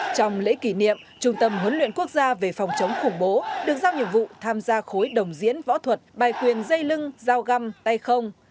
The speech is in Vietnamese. trong lễ kỷ niệm trung tâm huấn luyện quốc gia về phòng chống khủng bố được giao nhiệm vụ tham gia khối đồng diễn võ thuật bài quyền dây lưng giao găm tay không